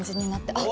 あっ！